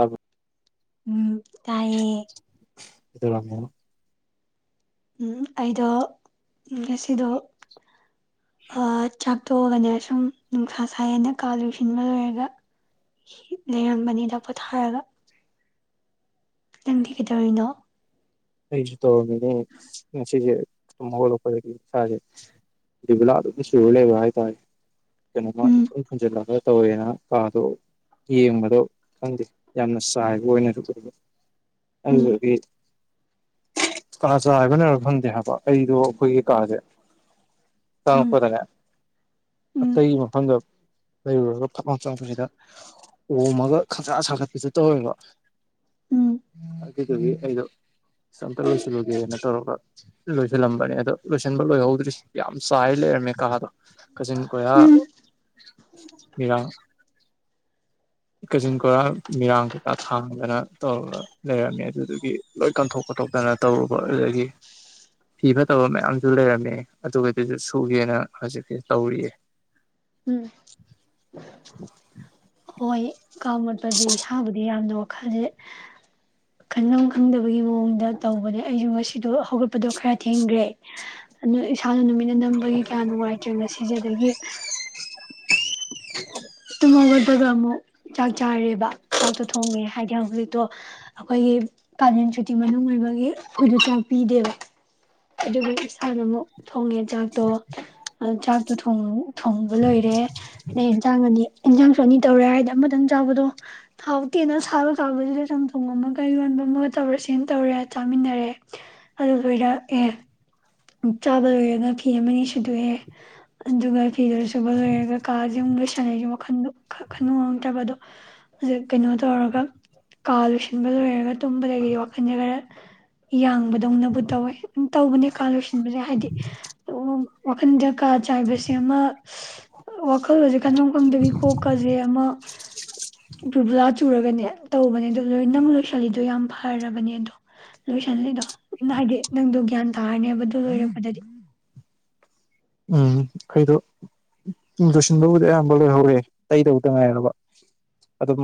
ꯑꯕ ꯎꯝ ꯀꯥꯏꯌꯦ ꯏꯗꯔꯃꯦ ꯎꯝ ꯑꯩꯗꯣ ꯉꯁꯤꯗꯣ ꯆꯥꯛꯇꯣꯛꯑꯒꯅꯦ ꯁꯨꯝ ꯅꯨꯡꯁꯥ ꯁꯥꯏꯑꯦꯅ ꯀꯥ ꯂꯣꯏꯁꯤꯟꯕ ꯂꯣꯏꯔꯒ ꯂꯩꯔꯝꯕꯅꯤꯗ ꯄꯣꯊꯥꯔꯒ ꯅꯪꯗꯤ ꯀꯩꯗꯧꯔꯤꯅꯣ ꯑꯩꯁꯨ ꯇꯧꯔꯝꯃꯤꯅꯦ ꯉꯁꯤꯁꯦꯠꯂꯛꯄꯗꯒꯤ ꯁꯥꯥꯁꯦ ꯕꯂꯥ ꯑꯗꯨꯝ ꯁ ꯂꯩꯕ ꯍꯥꯏꯇꯥꯔꯦ ꯀꯩꯅꯣꯃ ꯏ ꯎꯝ ꯊꯟꯖꯔꯂꯒ ꯇꯧꯋꯦꯅ ꯀꯥꯗꯣ ꯌꯦꯡꯕꯗꯣ ꯈꯪꯗꯦ ꯌꯥꯝꯅ ꯆꯥꯏꯕ ꯑꯣꯏꯅ ꯑꯗꯨ ꯎꯝ ꯑꯣꯏ ꯑ ꯀꯥꯥꯁꯦ ꯍꯥꯏꯕ ꯂꯩꯔ ꯈꯪꯗꯦ ꯍꯥꯏꯕ ꯑꯩꯗꯣ ꯑꯩꯈꯣꯏꯒꯤ ꯀꯥꯁꯦ ꯑ ꯎꯝ ꯐꯗꯒ ꯑ ꯎꯝ ꯍꯪ ꯂꯩꯔꯨꯔꯒ ꯐꯛꯝ ꯆꯄꯁꯤꯗ ꯑꯣꯝꯃꯒ ꯈꯪꯁꯥ ꯁꯥꯒꯠꯄꯁꯨ ꯇꯧꯋꯦꯕ ꯎꯝ ꯑꯗꯨꯗꯨꯒꯤ ꯑꯩꯗꯣ ꯁ ꯑꯝꯇ ꯂꯣꯏꯁꯤꯜꯂꯨꯒꯦꯅ ꯇꯧꯔꯒ ꯂꯣꯏꯁꯤꯜꯂꯝꯕꯅꯦ ꯑꯗꯣ ꯂꯣꯏꯁꯤꯟꯕ ꯂꯣꯏꯍꯧꯗ꯭ꯔꯤꯁꯦ ꯌꯥꯝ ꯆꯥꯏ ꯂꯩꯔꯝꯃꯦ ꯀꯥꯗꯣ ꯀꯥꯆꯤꯟ ꯀꯣꯏꯔꯥ ꯎꯝ ꯃꯤꯔꯥꯡ ꯀꯥꯆꯤꯟ ꯀꯣꯏꯔꯥ ꯃꯤꯔꯥꯡ ꯀꯩꯀꯥ ꯊꯥꯡꯗꯅ ꯇꯧꯔꯒ ꯂꯩꯔꯝꯃꯦ ꯑꯗꯨꯗꯨꯒꯤ ꯂꯣꯏ ꯀꯟꯊꯣꯛ ꯈꯣꯠꯇꯣꯛꯇꯅ ꯇꯧꯔꯨꯕ ꯑꯗꯨꯗꯒꯤ ꯐꯤ ꯐꯠꯇꯕ ꯃꯌꯥꯝꯁꯨ ꯂꯩꯔꯝꯃꯦ ꯑꯗꯨꯒꯗꯨꯁꯨ ꯁꯨꯒꯦꯅ ꯍꯧꯖꯤꯛꯁꯦ ꯇꯧꯔꯤꯑꯦ ꯎꯝ ꯍꯣꯏ ꯀꯥ ꯃꯣꯠꯄꯁꯦ ꯏꯁꯥꯕꯨꯗꯤ ꯌꯥꯝꯅ ꯈꯗꯤꯦ ꯈꯟꯐꯝ ꯈꯪꯗꯕꯒꯤ ꯃꯑꯣꯡꯗ ꯇꯧꯕꯅꯦ ꯑꯩꯁꯨ ꯉꯁꯤꯗꯣ ꯍꯧꯒꯠꯄꯗꯣ ꯈꯔ ꯊꯦꯡꯈ꯭ꯔꯦ ꯑꯗꯨ ꯏꯁꯥꯅ ꯅꯨꯃꯤꯠꯅ ꯅꯝꯕꯒꯤ ꯀꯌꯥ ꯅꯨꯡꯉꯥꯏꯇ꯭ꯔꯦ ꯉꯁꯤꯁꯦ ꯑꯗꯒꯤ ꯇꯃꯒ ꯑꯗꯨꯒꯣꯏ ꯑꯃꯨꯛ ꯆꯥꯛ ꯆꯥꯔꯦꯕ ꯆꯥꯛꯇꯣ ꯊꯣꯡꯉꯦ ꯍꯥꯏꯗꯤ ꯍꯧꯖꯤꯛꯇꯣ ꯑꯩꯈꯣꯏꯒꯤ ꯀꯥꯂꯦꯟ ꯁꯨꯇꯤ ꯃꯅꯨꯡ ꯑꯣꯏꯕꯒꯤ ꯑꯩꯈꯣꯏꯗ ꯆꯥꯛ ꯄꯤꯗꯦꯕ ꯑꯗꯨꯕꯨ ꯏꯁꯥꯅ ꯑꯃꯨꯛ ꯊꯣꯡꯉꯦ ꯆꯥꯛꯇꯣ ꯑ ꯆꯥꯛꯇꯣ ꯊꯣꯡꯉ ꯊꯣꯡꯕ ꯂꯣꯏꯔꯦ ꯑꯗꯩ ꯌꯦꯟꯁꯥꯡ ꯑꯅꯤ ꯏꯟꯖꯥꯡ ꯆꯥꯅꯤ ꯇꯧꯔꯦ ꯍꯥꯏꯗꯤ ꯑꯃꯇꯪ ꯆꯥꯕꯗꯣ ꯊꯥꯎ ꯇꯦꯟꯅ ꯁꯥꯕ ꯀꯥꯕꯁꯤꯗ ꯆꯝꯊꯣꯡ ꯑꯃꯒ ꯌꯣꯟꯕ ꯑꯃꯒ ꯇꯧꯔꯦ ꯁꯤꯅ ꯇꯧꯔꯦ ꯆꯥꯃꯤꯟꯅꯔꯦ ꯑꯗꯨꯗꯨꯣꯏꯔ ꯑꯦ ꯆꯥꯕ ꯂꯣꯏꯔꯒ ꯐꯤ ꯑꯃꯅꯤ ꯁꯨꯗꯣꯛꯑꯦ ꯑꯗꯨꯒ ꯀꯤꯗꯁꯨꯨꯕ ꯀꯥꯖ ꯁꯥꯟꯅꯩꯒꯤ ꯋꯥꯈꯟꯗꯣ ꯈꯟ ꯉꯝꯇꯕ ꯑꯗꯣ ꯍꯧꯖꯤꯛ ꯀꯩꯅꯣ ꯇꯧꯔꯒ ꯀꯥ ꯂꯣꯏꯁꯤꯟꯕ ꯂꯣꯏꯔꯒ ꯇꯨꯝꯕꯗꯒꯤꯗꯤ ꯋꯥꯈꯟꯁꯦ ꯈꯔ ꯌꯥꯡꯕꯗꯧꯅꯕꯨ ꯇꯧꯋꯦ ꯑꯗꯨ ꯇꯧꯕꯅꯦ ꯈꯜꯂꯨꯁꯤ ꯍꯥꯏꯗꯤ ꯋꯥꯈꯟꯗꯖ ꯀꯥ ꯆꯥꯏꯕꯕꯁꯤ ꯑꯃ ꯋꯥꯈꯜꯂꯣꯟꯁꯦ ꯈꯟꯐꯝ ꯈꯪꯗꯕꯤ ꯀꯣꯛꯀꯁꯦ ꯑꯃ ꯭ꯔꯕꯂꯥ ꯆꯨꯔꯒꯅꯦ ꯇꯧꯕꯅꯦ ꯑ ꯂꯣꯏ ꯅꯪ ꯂꯣꯏꯁꯤꯜꯂꯤꯗꯣ ꯌꯥꯝ ꯐꯔꯕꯅꯦ ꯑꯗꯣ ꯂꯣꯏꯁꯜꯂꯤꯗꯣ ꯍꯥꯏꯗꯤ ꯅꯪꯗꯣ ꯒ꯭ꯌꯥꯟ ꯇꯥꯔꯅꯦꯕ ꯗꯤ ꯎꯝ ꯑꯩꯗꯣꯨꯡ ꯂꯣꯏꯁꯤꯟꯕꯕꯨꯗꯤ ꯑꯌꯥꯝꯕ ꯂꯣꯏꯍꯧꯔꯦ ꯇꯩꯗꯕꯨꯗ ꯉꯥꯏꯔꯕ ꯑꯗꯨꯝ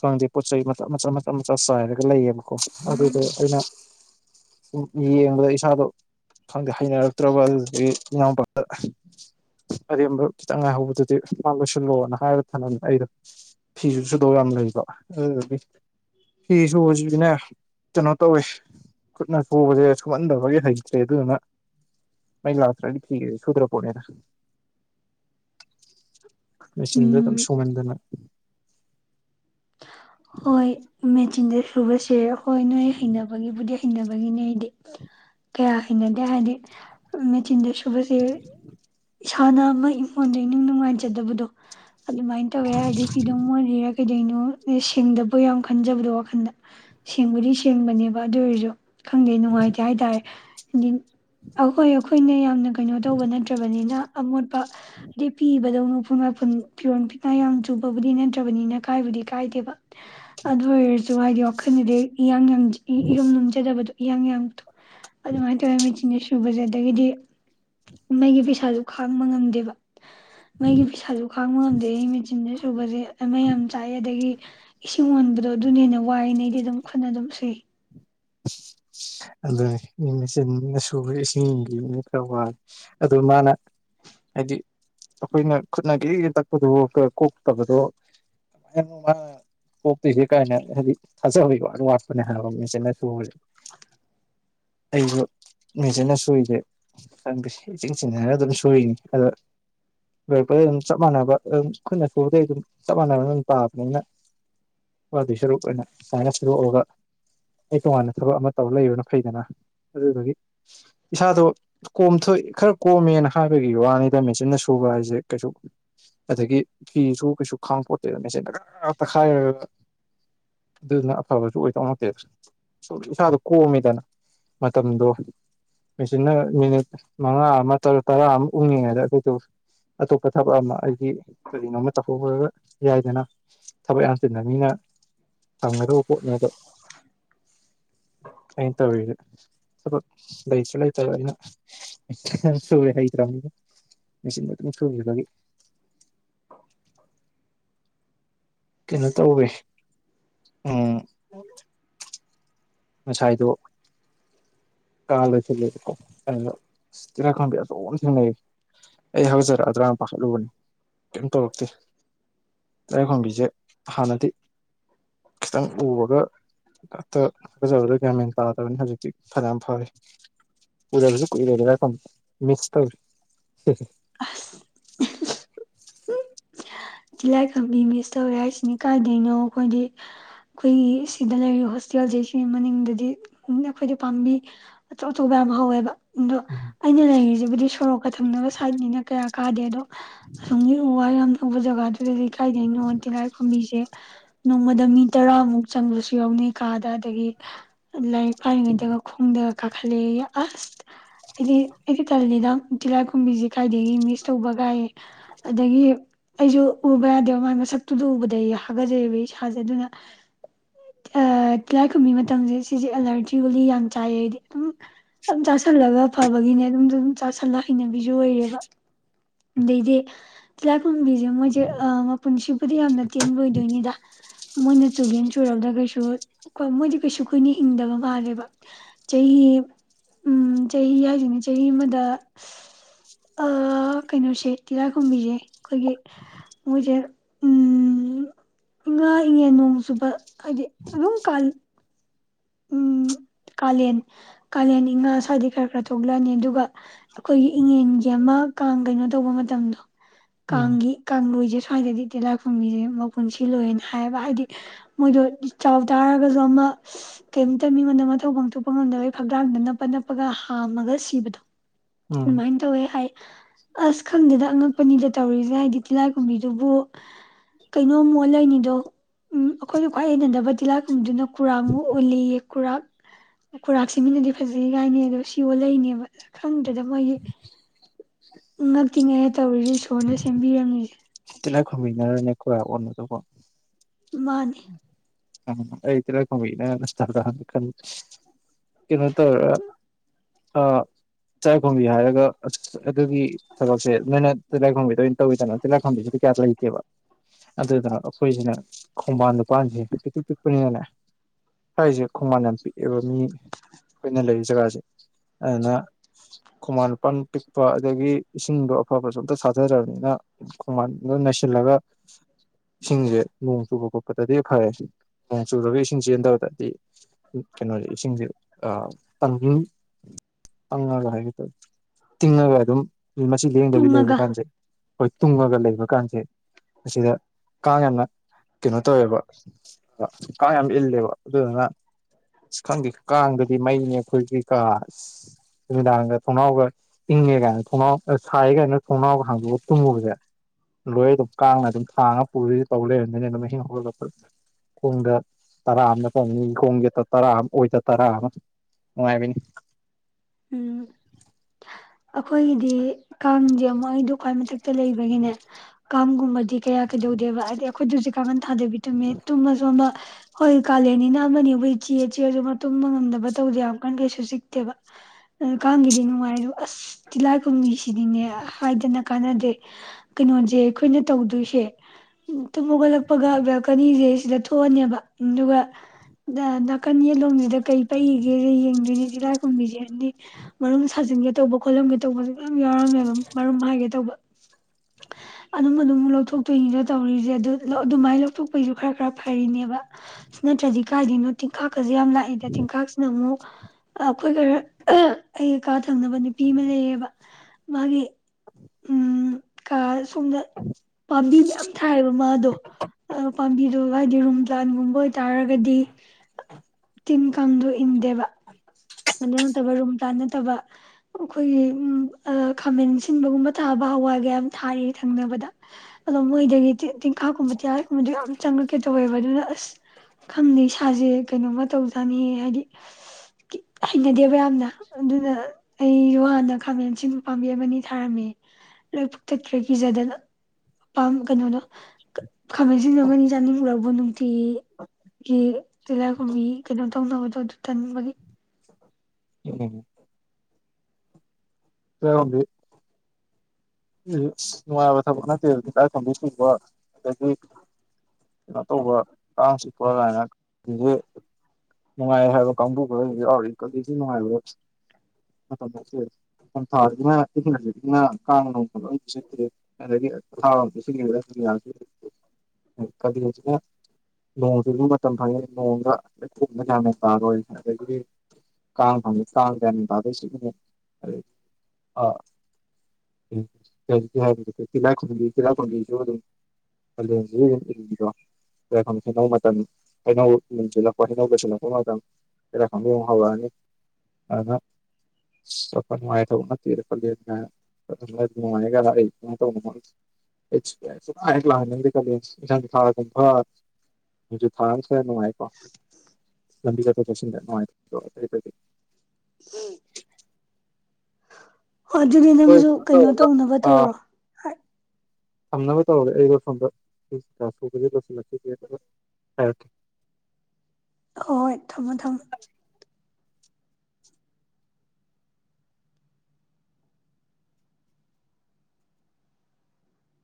ꯈꯪꯗꯦ ꯄꯣꯠ ꯆꯩ ꯃ ꯃꯆꯥ ꯃꯆꯥ ꯃꯆꯥ ꯆꯥꯏꯔꯒ ꯂꯩꯌꯦꯕꯀꯣ ꯑꯗꯨꯗꯣ ꯑꯩꯅ ꯌꯦꯡꯕꯗ ꯏꯁꯥꯗꯣ ꯈꯪꯗꯦ ꯍꯩꯅꯔꯛꯇ꯭ꯔꯕ ꯑꯗꯨꯗꯒꯤ ꯏꯅꯥꯎꯄꯥ ꯑ ꯑꯔꯦꯝꯕ ꯈꯤꯇꯪ ꯉꯥꯏꯍꯧꯕꯗꯨꯗꯤ ꯃꯥ ꯂꯣꯏꯁꯤꯜꯂꯣꯅ ꯍꯥꯏꯔꯒ ꯊꯝꯂꯝꯃꯦ ꯑꯩꯗꯣ ꯐꯤꯁꯨ ꯁꯨꯗꯧ ꯌꯥꯝ ꯂꯩꯕ ꯑꯗꯨꯗꯒꯤ ꯐꯤ ꯁꯨꯕꯁꯤꯅꯦ ꯀꯩꯅꯣ ꯇꯧꯋꯦ ꯈꯨꯠꯅ ꯁꯨꯕꯁꯦ ꯁꯨꯝꯍꯟꯗꯕꯒꯤ ꯍꯩꯇ꯭ꯔꯦ ꯑꯗꯨꯗꯨꯅ ꯃꯩ ꯂꯥꯛꯇ꯭ꯔꯗꯤ ꯁꯨꯗ꯭ꯔ ꯄꯨꯅꯤ ꯃ ꯆꯗ ꯑꯗꯨꯝ ꯎꯝ ꯁꯨꯃꯟꯗꯅ ꯍꯣꯏ ꯃꯦꯆꯤꯟꯗ ꯁꯁꯦ ꯍꯣꯏ ꯅꯣꯏ ꯍꯩꯅꯕꯒꯤꯕꯨꯗꯤ ꯍꯩꯅꯅꯕꯒꯤꯅꯦ ꯑꯩꯗꯤ ꯀꯌꯥ ꯍꯩꯅꯗꯦ ꯍꯥꯏꯗꯤ ꯃꯦꯆꯤꯟꯗ ꯁꯨꯕꯁꯦ ꯏꯁꯥꯅ ꯑꯃ ꯑꯩꯉꯣꯟꯗ ꯏꯅꯨꯡ ꯅꯨꯡꯉꯥꯏꯖꯗꯕꯗꯣ ꯑꯗꯨꯃꯥꯏꯅ ꯇꯧꯋꯦ ꯍꯥꯏꯗꯤ ꯐꯤꯗꯧ ꯃꯅꯤꯔ ꯀꯔꯤꯅꯣ ꯦꯡꯗꯕꯨ ꯌꯥꯝ ꯈꯟꯖꯕꯗꯣ ꯋꯥꯈꯟꯗ ꯦꯡꯕꯨꯗꯤ ꯁꯦꯡꯕꯅꯦꯕ ꯑꯗꯨ ꯑꯣꯏꯔꯁꯨ ꯈꯪꯗꯦ ꯅꯨꯡꯉꯥꯏꯇꯦ ꯍꯥꯏꯇꯥꯔꯦ ꯍꯥꯏ ꯑꯈꯣꯏ ꯑꯩꯈꯣꯏꯅ ꯌꯥꯝꯅ ꯀꯩꯅꯣ ꯇꯧꯕ ꯅꯠꯇ꯭ꯔꯕꯅꯤꯅ ꯑꯃꯃꯨꯗ ꯔ ꯐꯤ ꯕꯗꯧ ꯃꯄꯨ ꯃꯄꯨꯟ ꯐꯤꯔꯣꯟ ꯐꯤꯛꯅꯥ ꯌꯥꯝ ꯆꯨꯕꯕꯨꯗꯤ ꯅꯠꯇ꯭ꯔꯕꯅꯤꯅ ꯀꯥꯏꯕꯨꯗꯤ ꯀꯥꯏꯗꯦꯕ ꯑꯗꯨ ꯑꯣꯏꯔꯁꯨ ꯍꯥꯏꯗꯤ ꯋꯥꯈꯜꯗꯗꯤ ꯏꯌꯥꯡ ꯌꯥꯝꯗ ꯌꯨꯝ ꯃꯝꯖꯗꯕꯗꯨ ꯏꯡꯌꯥꯡ ꯑꯗꯨ ꯃꯥꯥꯏꯔ ꯆꯤꯡ ꯁꯨꯕꯁꯦꯗꯒꯤꯗꯤ ꯃꯩꯒꯤ ꯄꯩꯁꯥꯁꯨ ꯈꯥꯡꯕ ꯉꯝꯗꯦꯕ ꯃꯩꯒꯤ ꯄꯩꯁꯥꯁꯨ ꯈꯥꯡꯕ ꯉꯝꯗꯦ ꯑꯩ ꯃꯦꯆꯤꯟꯗ ꯁꯨꯕꯁꯦ ꯑꯃ ꯌꯥꯝ ꯆꯥꯏ ꯑꯗꯒꯤ ꯏꯁꯤꯡ ꯑꯣꯟꯕꯗꯣ ꯑꯗꯨꯅ ꯍꯦꯟꯅ ꯋꯥꯏꯉꯩꯗꯤ ꯑꯗꯨꯝ ꯈꯨꯠꯅ ꯑꯗꯨꯝ ꯁꯨꯏ ꯑꯗꯨ ꯃꯦꯆꯤꯟꯅ ꯁꯨꯕ ꯏꯁꯤꯡꯒꯤꯅꯤ ꯈꯔ ꯋꯥꯔꯦ ꯑꯗꯨ ꯃꯥꯅ ꯍꯥꯏꯗꯤ ꯑꯩꯈꯣꯏꯅ ꯈꯨꯠꯅꯒꯤ ꯇꯛꯄꯗꯣ ꯀꯣꯛꯇꯕꯗꯣ ꯀꯃꯥꯏꯅ ꯃꯥ ꯀꯣꯛꯇꯣꯏꯁꯦ ꯀꯥꯏꯅ ꯍꯥꯏꯗꯤ ꯊꯥꯖꯕꯒꯤ ꯋꯥ ꯋꯥꯠꯄꯅꯦ ꯍꯥꯏꯕ ꯃꯦꯆꯤꯟꯅ ꯁꯨꯕꯁꯦ ꯑꯩꯁꯨ ꯃꯦꯖꯟꯅ ꯁꯨꯔꯤꯗꯦ ꯈꯪꯗꯁꯦ ꯏꯁꯤꯡ ꯆꯤꯖꯅ ꯑꯗꯨꯝ ꯁꯨꯔꯤꯅꯤ ꯑꯗ ꯂꯣꯏꯔꯛꯄꯗ ꯑꯗꯨꯝ ꯆꯞ ꯃꯥꯟꯅꯕ ꯑꯗꯨꯝ ꯈꯨꯠꯅ ꯈꯨꯨꯕꯗꯩ ꯑꯗꯨꯝ ꯆꯞ ꯃꯥꯟꯅꯕ ꯑꯗꯨꯝ ꯄꯥꯕꯅꯤꯅ ꯋꯥꯗꯨ ꯁꯔꯨꯛ ꯑꯣꯏꯅ ꯁꯨꯃꯥꯏꯅ ꯁꯨꯔꯣꯛꯑꯒ ꯑꯩ ꯇꯣꯉꯥꯟꯅ ꯊꯕꯛ ꯑꯃ ꯇꯧ ꯂꯩꯕꯅ ꯐꯩꯗꯅ ꯑꯗꯨꯗꯒꯤ ꯏꯁꯥꯗꯣ ꯀꯣꯝꯊꯣꯛꯏ ꯈꯔ ꯀꯣꯝꯃꯦꯅ ꯍꯥꯏꯕꯒꯤ ꯋꯥꯅꯤꯗ ꯃꯦꯆꯤꯟꯅ ꯁꯨꯕ ꯍꯥꯏꯁꯦ ꯀꯩꯁꯨ ꯑꯗꯒꯤ ꯐꯤꯁꯨ ꯀꯩꯁꯨ ꯈꯥꯡꯕ ꯈꯣꯠꯇꯦꯗ ꯃꯦꯆꯤꯟꯗ ꯈ ꯉꯥꯛ ꯇꯛꯈꯥꯏꯔꯒ ꯑꯗꯨꯗꯨꯅ ꯑꯐꯕꯁꯨ ꯑꯣꯏꯗꯧꯅꯛꯇꯦ ꯏꯁꯥꯗꯣ ꯀꯣꯝꯃꯤꯗꯅ ꯃꯇꯝꯗꯣ ꯃꯦꯆꯤꯟꯅ ꯃꯤꯅꯤꯠ ꯃꯉꯥ ꯑꯃ ꯇꯔꯥ ꯑꯃ ꯎꯪꯉꯉꯩꯗ ꯑꯗꯨꯗꯇ ꯊꯕꯛ ꯑꯃ ꯑꯩꯒꯤ ꯀꯔꯤꯅꯣꯃ ꯇꯧꯊꯒ ꯌꯥꯏꯗꯅ ꯊꯕꯛ ꯌꯥꯝꯁꯤꯤꯕ ꯃꯤꯅ ꯐꯝꯒꯗꯕ ꯄꯣꯠꯅꯦ ꯑꯗꯣ ꯑꯩꯅ ꯇꯧꯔꯤꯁ ꯂꯩꯁꯨ ꯂꯩꯇꯕ ꯑꯩꯅ ꯁꯨꯦ ꯍꯩꯇ꯭ꯔꯅꯤ ꯃꯦꯆꯤꯟ ꯑꯗꯨ ꯁꯨꯈꯤꯕꯒꯤ ꯀꯩꯅꯣ ꯇꯧꯋꯦ ꯎꯝ ꯉꯁꯥꯏꯗꯣ ꯀ ꯂꯣꯏꯁꯤꯜꯂꯕꯀꯣ ꯑꯗꯨꯩꯅ ꯇꯤꯔ ꯈꯪꯕꯤ ꯑꯗꯨꯣꯝ ꯊꯦꯡꯅꯩ ꯑꯩ ꯍꯧꯖꯔꯛꯑꯗ꯭ꯔꯥ ꯄꯥꯈꯠꯂꯨꯕꯅꯤ ꯀꯔꯤꯝ ꯇꯧꯔꯛꯇꯦ ꯂꯥꯏꯈꯪꯕꯤꯁꯦ ꯍꯥꯟꯅꯗꯤ ꯈꯤꯇꯪ ꯎꯕꯒ ꯍꯇ ꯐꯒꯖꯕꯗꯣ ꯀꯌꯥꯝꯃꯦꯟ ꯇꯥꯗꯕꯅꯤ ꯍꯧꯖꯤꯛ ꯐꯔꯝ ꯐꯔꯦꯖꯁꯨ ꯀꯨꯏꯔ ꯀ ꯃꯤꯁ ꯇꯧꯔꯤ ꯑꯁ ꯇꯤꯂꯥꯏ ꯈꯥꯝꯕꯤ ꯃꯤꯁ ꯇꯧꯋꯦ ꯍꯥꯏꯁꯤꯅꯤ ꯀꯥꯏꯗꯩꯅꯣ ꯑꯩꯈꯣꯏꯗꯤ ꯑꯩꯈꯣꯏꯒꯤ ꯁꯤꯗ ꯂꯩꯔꯤꯕ ꯍꯣꯁꯇꯦꯜꯁꯦ ꯁꯤ ꯃꯅꯤꯡꯗꯗꯤ ꯑꯩꯈꯣꯏꯗꯤ ꯄꯥꯝꯕꯤ ꯑꯆꯧꯞ ꯑꯆꯣꯞꯄ ꯌꯥꯝ ꯍꯧꯋꯦꯕ ꯑꯗꯣ ꯎꯝ ꯑꯩꯅ ꯂꯩꯔꯤꯁꯤꯕꯨꯗꯤ ꯁꯣꯔꯣꯛꯀ ꯊꯪꯅꯕ ꯁꯥꯏꯠꯅꯤꯅ ꯀꯌꯥ ꯀꯥꯗꯦꯗꯣ ꯑꯨꯡꯒꯤ ꯎ ꯋꯥ ꯌꯥꯝ ꯕꯨꯖꯣ ꯑꯗꯨꯒ ꯑꯗꯨꯗꯗꯤ ꯀꯥꯏꯗꯦ ꯅꯉꯣꯟꯇꯤꯂꯥꯏ ꯐꯣꯝꯕꯤꯁꯦ ꯅꯣꯡꯃꯗ ꯃꯤ ꯇꯔꯥꯃꯨꯛ ꯆꯪꯕꯁꯨ ꯌꯥꯎꯅꯤ ꯀꯥꯗ ꯑꯗꯒꯤ ꯂꯥꯏꯔꯤꯛ ꯄꯥꯏꯔꯤꯉꯩꯗꯒ ꯈꯣꯡꯗ ꯀꯥꯈꯠꯂꯛꯑꯦ ꯑꯁ ꯑꯩꯗꯤ ꯑꯩꯗꯤ ꯇꯜꯂꯤꯗ ꯇꯤꯜꯍꯥ ꯀꯨꯝꯕꯤꯁꯦ ꯀꯥꯏꯗꯒꯤ ꯃꯤꯁ ꯇꯧꯕ ꯀꯥꯏ ꯑꯗꯒꯤ ꯑꯩꯁꯨ ꯎꯕ ꯌꯥꯗꯦꯕ ꯃꯥꯒꯤ ꯃꯁꯛꯇꯨꯗ ꯎꯕꯗ ꯑꯩ ꯍꯥꯒꯠꯖꯩꯕ ꯏꯁꯥꯁꯦ ꯑꯗꯨꯅ ꯇꯤꯂꯥꯏꯈꯨꯝꯕꯤ ꯃꯇꯝꯁꯦ ꯁꯤꯁꯦ ꯑꯦꯂꯔꯖꯤꯒꯜꯂꯤ ꯌꯥꯝ ꯆꯥꯏꯌꯦ ꯑꯩꯗꯤ ꯑꯗꯨꯝ ꯑꯗꯨꯝ ꯆꯥꯥꯁꯜꯂꯒ ꯐꯕꯒꯤꯅꯦ ꯑꯗꯨꯝ ꯑꯗꯨꯝ ꯆꯥꯁꯜꯂ ꯍꯩꯅꯕꯤꯁꯨ ꯑꯣꯏꯔꯦꯕ ꯑꯗꯩꯗꯤ ꯇꯤꯍꯥꯏꯈꯨꯝꯕꯤꯁꯦ ꯦ ꯃꯣꯏꯁꯦ ꯃꯄꯨꯟꯁꯤꯕꯨꯨꯗꯤ ꯌꯥꯝꯅ ꯇꯦꯟꯕ ꯑꯣꯏꯗꯣꯏꯅꯤꯗ ꯃꯣꯏꯅ ꯆꯨꯒꯦꯝ ꯆꯨꯔꯕꯗ ꯀꯩꯁꯨ ꯃꯣꯏꯗꯤꯦ ꯀꯩꯁꯨ ꯀꯨꯏꯅ ꯍꯤꯡꯗꯕ ꯃꯥꯜꯂꯦꯕ ꯆꯍꯤ ꯎ ꯆꯍꯤ ꯍꯥꯏꯁꯤꯅꯦ ꯆꯍꯤ ꯑꯃꯗ ꯀꯩꯅꯣꯁꯦ ꯇꯤꯔꯥꯈꯣꯕꯤꯁꯦ ꯑꯩꯈꯣꯏꯒꯤ ꯃꯣꯏꯁꯦ ꯎꯝ ꯉꯥ ꯏꯉꯟ ꯅꯣꯡ ꯆꯨꯕ ꯍꯥꯏꯗꯤ ꯑꯗꯨꯝ ꯀ ꯎꯝ ꯀꯥꯂꯦꯟ ꯀꯥꯂꯦꯟ ꯏ ꯉꯥ ꯁ꯭ꯋꯥꯏꯗꯗꯤ ꯈꯔ ꯈꯔ ꯊꯣꯛꯂꯛꯑꯅꯤ ꯑꯗꯨꯒ ꯑꯩꯈꯣꯏꯒꯤ ꯏꯉꯦꯟꯒꯤ ꯑꯃ ꯀꯥꯡ ꯀꯩꯅꯣ ꯇꯧꯕ ꯃꯇꯝꯗꯣ ꯎꯝ ꯀꯪꯤ ꯀꯨ ꯦ ꯁ꯭ꯋꯥꯏꯗꯗꯤ ꯇꯤꯂꯥꯏꯈꯨꯝꯕꯤꯁꯦ ꯃ ꯄꯨꯟꯁꯤꯂꯣꯏꯅ ꯍꯥꯏꯌꯦꯕ ꯍꯥꯏꯗꯤ ꯃꯣꯏꯗꯣ ꯆꯥꯎ ꯇꯥꯔꯒꯁꯨ ꯑꯃ ꯀꯩꯝꯇ ꯃꯤꯉꯣꯟꯗ ꯃꯊꯧ ꯄꯥꯡꯊꯣꯛꯄ ꯉꯝꯗꯕꯩ ꯐꯛꯗꯥꯡꯗ ꯅꯞꯄ ꯅꯞꯄꯒ ꯍꯥꯝꯃꯒ ꯁꯤꯕꯗꯣ ꯎꯝ ꯑꯗꯨꯃꯥꯏꯅ ꯇꯧꯋꯦ ꯍꯥꯏ ꯑꯁ ꯈꯪꯗꯦꯗ ꯀꯄꯅꯤꯗ ꯇꯧꯔꯤꯁꯦ ꯍꯥꯏꯗꯤ ꯇꯤꯜꯍꯥ ꯀꯨꯝꯕꯤꯗꯨꯕꯨ ꯀꯩꯅꯣꯝꯃꯨꯛ ꯑꯣ ꯂꯩꯅꯤꯗꯣ ꯎꯝ ꯑꯩꯈꯣꯏꯅ ꯈ꯭ꯋꯥꯏ ꯍꯩꯅꯗꯕ ꯇꯤꯍꯥꯏ ꯀꯨꯝꯕꯤꯗꯨꯅ ꯈꯨꯔꯥꯡꯨꯛ ꯎꯜꯂꯤꯌꯦ ꯈꯨꯔꯥꯛ ꯈꯨꯨꯔꯥꯛꯁꯤ ꯃꯤꯅꯗꯤ ꯐꯖꯩ ꯀꯥꯏꯅ ꯑꯗꯣ ꯁꯤꯌꯣ ꯂꯩꯅꯦꯕ ꯈꯪꯗꯗ ꯃꯣꯏꯒꯤ ꯉꯛꯇꯤꯉꯩ ꯇꯧꯔꯤꯁꯦ ꯏꯁꯣꯔꯅ ꯁꯦꯝꯕꯤꯔꯝꯃꯤꯁꯦ ꯇꯅꯈꯣꯏꯃꯤꯅꯔꯅ ꯈꯣꯏꯋꯥ ꯑꯣꯅ ꯇꯄ ꯃꯥꯅꯤ ꯎꯝ ꯑꯩ ꯇꯤꯜꯍꯥꯈꯣꯝꯕꯤꯅ ꯈꯦ ꯀꯩꯅꯣ ꯇꯧꯔꯒ ꯇꯤꯔꯥꯏꯈꯣꯕꯤ ꯍꯥꯏꯔꯒ ꯑꯗꯨꯒꯤ ꯊꯕꯛꯁꯦ ꯅꯣꯏꯅ ꯇꯤꯜꯂꯥꯏꯈꯣꯝꯕꯤꯗ ꯑꯣꯏꯅ ꯇꯧꯋꯤꯗꯅ ꯇꯤꯜꯍꯥꯈꯣꯝꯕꯤꯁꯤꯗꯤ ꯀꯌꯥ ꯂꯩꯇꯦꯕ ꯑꯗꯨꯅ ꯑꯩꯈꯣꯏꯁꯤꯅ ꯈꯣꯡꯕꯥꯟ ꯄꯥꯟꯁꯦ ꯄꯤꯛꯇꯤ ꯄꯤꯛꯄꯅꯤꯅꯅꯦ ꯍꯥꯏꯔꯤꯁꯦ ꯈꯣꯡꯕꯥꯟ ꯌꯥꯝ ꯄꯤꯛꯑꯦꯕ ꯃꯤ ꯑꯩꯈꯣꯏꯅ ꯂꯩ ꯖꯒꯥꯁꯦ ꯑꯗꯨꯅ ꯈꯣꯡꯕꯥꯟ ꯂꯄꯥꯟ ꯄꯤꯛꯄ ꯑꯗꯒꯤ ꯏꯁꯤꯡꯗꯣ ꯑꯐꯕꯁꯨ ꯑꯝꯇ ꯊꯥꯗꯔꯕꯅꯤꯅ ꯈꯣꯡꯕꯥꯟꯗ ꯅꯩꯁꯤꯜꯂꯒ ꯏꯁꯤꯡꯁꯦ ꯅꯣꯡ ꯆꯨꯕ ꯈꯣꯠꯄꯗꯗꯤ ꯐꯔꯦ ꯅꯣꯡ ꯆꯨꯔꯒ ꯏꯁꯤꯡ ꯆꯦꯟꯗꯕꯗꯗꯤ ꯀꯩꯅꯣꯁꯦ ꯏꯁꯤꯡꯁꯦ ꯇꯪꯉꯒ ꯍꯥꯏꯒꯦ ꯇꯧꯋꯦ ꯇꯤꯡꯉꯒ ꯑꯗꯨꯝ ꯃꯁꯤ ꯂꯦꯡꯗꯕꯤ ꯂꯩꯕ ꯇꯨꯡꯉꯒ ꯀꯥꯟꯖꯩ ꯑꯩꯈꯣꯏ ꯇꯨꯡꯉꯒ ꯂꯩꯕ ꯀꯥꯟꯁꯦ ꯑꯁꯤꯗ ꯀꯥꯡ ꯌꯥꯝꯅ ꯀꯩꯅꯣ ꯇꯧꯋꯦꯕ ꯀꯥꯡ ꯌꯥꯝ ꯏꯜꯂꯦꯕ ꯑꯗꯨꯗꯨꯅ ꯈꯪꯗꯦ ꯀꯥꯡꯗꯗꯤ ꯃꯩꯅꯦ ꯑꯩꯈꯣꯏꯒꯤ ꯀ ꯅꯨꯃꯤꯗꯥꯡꯒ ꯊꯣꯡꯅꯥꯎꯒ ꯏꯪꯉꯦ ꯀꯥꯏꯅ ꯊꯣꯡꯅꯥꯎ ꯁꯥꯏ ꯀꯥꯏꯅ ꯊꯣꯡꯅꯥꯎꯒ ꯍꯥꯡꯗꯣꯛꯑꯒ ꯇꯨꯝꯉꯨꯕꯁꯦ ꯂꯣꯏ ꯑꯗꯨꯝ ꯀꯥꯡꯅ ꯑꯗꯨꯝ ꯁꯥꯡꯉꯒ ꯄꯨꯔꯗꯤ ꯇꯧ ꯂꯩꯔꯕꯅꯤꯅ ꯑꯗꯨꯝ ꯈꯣꯡꯗ ꯇꯔꯥ ꯑꯃꯗ ꯐꯣꯡꯅꯤ ꯈꯣꯡꯒꯤ ꯇꯔꯥ ꯑꯣꯏꯗ ꯇꯔꯥ ꯑꯃ ꯅꯨꯡꯉꯥꯏꯕꯅꯤ ꯎꯝ ꯑꯩꯈꯣꯏꯒꯤꯗꯤ ꯀꯥꯡꯁꯦ ꯑꯃꯨꯛ ꯑꯩꯗ‌ꯣ ꯃꯊꯛꯇ ꯂꯩꯒꯤꯅꯦ ꯒꯨꯝꯕꯥꯗꯤ ꯀꯌꯥ ꯀꯩꯗꯧꯗꯦꯕ ꯍꯥꯏꯗꯤ ꯑꯩꯈꯣꯏꯗꯁꯨ ꯀꯥꯡꯒꯟ ꯊꯥꯗꯕꯤ ꯇꯨꯝꯃꯦ ꯇꯨꯝꯃꯁꯨ ꯑꯃ ꯍꯣꯏ ꯀꯥꯂꯦꯟꯅꯤꯅ ꯑꯃꯅꯤꯕꯨ ꯏ ꯆꯦ ꯆꯦꯁꯨ ꯇꯨꯝꯕ ꯉꯝꯗꯕ ꯇꯧꯗꯦ ꯌꯥꯝ ꯀꯟ ꯀꯩꯁꯨ ꯆꯤꯛꯇꯦꯕ ꯀꯥꯡꯒꯤꯗꯤ ꯅꯨꯡꯉꯥꯏꯔꯗꯨ ꯑꯁ ꯇꯤꯜꯂꯥꯏ ꯀꯨꯝꯃꯤꯁꯤ ꯁꯤꯅꯤꯡꯉꯦ ꯍꯥꯏꯗꯅ ꯀꯥꯟꯅꯗꯦ ꯀꯩꯅꯣꯁꯦ ꯑꯩꯈꯣꯏꯅ ꯇꯧꯗꯣꯏꯁꯦ ꯇꯨꯝꯃꯒꯠꯂꯛꯄꯒ ꯕꯦꯜꯀꯅꯤꯁꯦ ꯁꯤꯗ ꯊꯣꯛꯑꯅꯦꯕ ꯑꯗꯨꯒ ꯅꯥꯀꯟ ꯌꯦꯟꯂꯣꯝꯁꯤꯗ ꯀꯩ ꯄꯩꯒꯦꯁꯦ ꯌꯦꯡꯗꯣꯏꯅꯦ ꯁꯤ ꯂ ꯐꯝꯕꯤꯁꯦ ꯍꯥꯏꯗꯤ ꯃꯔꯨꯝ ꯁꯥꯖꯤꯟꯒꯦ ꯇꯧꯕ ꯈꯣꯠꯂꯝꯒꯦ ꯇꯧꯕꯁꯨ ꯌꯥꯝ ꯌꯥꯎꯔꯝꯃꯦꯕ ꯃꯔꯨꯝ ꯍꯥꯏꯒꯦ ꯇꯧꯕ ꯑꯗꯨꯝ ꯑꯗꯨꯝ ꯑꯃꯨꯛ ꯂꯧꯊꯣꯛꯇꯣꯏꯅꯤꯗ ꯇꯧꯔꯤꯁꯦ ꯑꯗꯨ ꯑꯗꯨꯃꯥꯏꯅ ꯂꯧꯊꯣꯛꯄꯩꯁꯨ ꯈꯔ ꯈꯔ ꯐꯔꯤꯅꯦꯕ ꯅꯠꯇ꯭ꯔꯗꯤ ꯀꯥꯏꯗꯅꯣ ꯇꯦꯡꯈꯥꯛꯀꯁꯦ ꯌꯥꯝ ꯂꯥꯛꯏꯗ ꯇꯦꯡꯀꯥꯛꯁꯤꯅ ꯑꯃꯨꯛ ꯑꯩꯈꯣꯏꯒꯔ ꯑꯩꯀꯥ ꯊꯪꯅꯕ ꯅꯨꯄꯤ ꯑꯃ ꯂꯩꯌꯦꯕ ꯃꯥꯒꯤ ꯎꯝ ꯀꯥ ꯁꯣꯝꯗ ꯄꯥꯝꯕꯤ ꯃꯌꯥꯝ ꯊꯥꯏꯔꯌꯦꯕ ꯃꯥꯗꯣ ꯑ ꯄꯥꯝꯕꯤꯗꯣ ꯍꯥꯏꯗꯤ ꯔꯨꯝ ꯄ꯭ꯂꯥꯟꯒꯨꯝꯕ ꯑꯣꯏꯇꯥꯔꯒꯗꯤ ꯇꯤꯟ ꯀꯥꯡꯗꯣ ꯏꯟꯗꯦꯕ ꯑꯗꯨ ꯅꯠꯇꯕ ꯔꯨꯝꯇꯥꯟ ꯅꯠꯇꯕ ꯑꯩꯈꯣꯏꯒꯤ ꯎ ꯈꯥꯃꯦꯟ ꯁꯤꯟꯕꯒꯨꯝꯕ ꯊꯥꯕ ꯍꯋꯥꯏꯒꯌꯥ ꯌꯥꯝ ꯊꯥꯔꯤ ꯊꯪꯅꯕꯗ ꯑꯗꯣ ꯃꯣꯏꯗꯒꯤ ꯇꯦꯡꯈꯥꯀꯨꯝꯕ ꯇꯤꯍꯥꯏꯒꯨꯝꯕꯗꯣ ꯌꯥꯝ ꯆꯪꯉꯛꯀꯦ ꯇꯧꯋꯦꯕ ꯑꯗꯨꯅ ꯑꯁ ꯈꯪꯗꯦ ꯏꯁꯥꯁꯦ ꯀꯩꯅꯣꯝꯃ ꯇꯧꯖꯥꯅꯤ ꯍꯥꯏꯗꯤ ꯍꯩꯅꯗꯦꯕ ꯌꯥꯝꯅ ꯑꯗꯨꯅ ꯑꯩꯁꯨꯣ ꯍꯥꯟꯅ ꯈꯥꯃꯦꯟ ꯑꯁꯤꯟꯕꯨ ꯄꯥꯝꯕꯤ ꯑꯃꯅꯤ ꯊꯥꯔꯝꯃꯤ ꯂꯣꯏ ꯄꯨꯛꯆꯠꯈ꯭ꯔꯦ ꯀꯤꯖꯗꯅ ꯀꯩꯅꯣꯗꯣ ꯈꯥꯃꯦꯟꯁꯤꯡꯗꯨꯣ ꯑꯃꯅꯤ ꯆꯥꯅꯤꯡꯕꯔꯧꯕ ꯅꯨꯡꯇꯤꯒꯤ ꯇꯤꯜꯍꯥꯈꯣꯕꯤ ꯀꯩꯅꯣ ꯇꯧꯅꯕꯗꯣ ꯑꯗꯨ ꯇꯟꯕꯒꯤ ꯎꯝ ꯁꯦꯝꯕꯤ ꯅꯨꯡꯉꯥꯏꯕ ꯊꯕꯛ ꯅꯠꯇꯦ ꯑꯗꯨꯀꯥꯏ ꯐꯣꯝꯕꯤ ꯁꯨꯕ ꯑꯗꯒꯤ ꯀꯩꯅꯣ ꯇꯧꯕ ꯀꯥꯡ ꯆꯤꯛꯄ ꯑꯗꯨꯏꯗꯤ ꯍꯧꯁꯦ ꯅꯨꯡꯉꯥꯏ ꯍꯥꯏꯕ ꯀꯥꯡꯕꯨꯒ ꯌꯥꯎꯔꯤꯏ ꯀꯖꯤꯒꯤ ꯅꯨꯡꯉꯥꯏꯕ ꯃꯇꯝꯦ ꯅꯤꯡꯊꯊꯥꯅ ꯏꯅ ꯀꯥꯡꯅꯨꯡ ꯦ ꯑꯗꯒꯤ ꯄꯊꯥꯕꯣꯝ ꯁꯤꯖꯤꯗ꯭ꯔꯥ ꯑꯗꯨꯌꯥ ꯀꯗꯤꯁꯤꯅ ꯅꯣꯡꯁꯨ ꯑꯗꯨꯝ ꯃꯇꯝ ꯐꯪꯉꯦ ꯅꯣꯡꯗ ꯊꯣꯡꯗ ꯌꯥꯝꯦꯟ ꯇꯥꯔꯣꯏ ꯑꯗꯒꯤ ꯀꯥꯡ ꯐꯪꯉꯤ ꯀꯥꯡꯗ ꯌꯥꯝ ꯃꯦꯟ ꯇꯥꯗꯣꯏ ꯁꯤꯖꯤꯉ ꯑꯗꯒꯤ [inaudible] [inaudible] ꯑꯗꯨꯗꯤ ꯍꯣꯏ ꯅꯪꯁꯨ ꯀꯩꯅꯣ ꯇꯧꯔꯒ ꯇꯧꯅꯕ ꯑꯥ ꯇꯧꯔꯣ ꯊꯝꯅꯕ ꯇꯧꯔꯒꯦ ꯑꯩꯗꯣ ꯁꯣꯝꯗ [unintelligible] ꯂꯣꯏꯁꯤꯜꯂꯒ ꯍꯥꯏꯔꯛꯀꯦ ꯍꯣꯏ ꯊꯝꯃꯣ ꯊꯝꯃꯣ